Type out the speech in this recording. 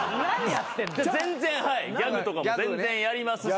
全然ギャグとかも全然やりますし。